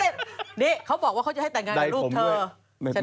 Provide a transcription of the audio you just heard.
เนี่ยเขาบอกว่านะเขาจะให้แต่งให้ลูกเธอ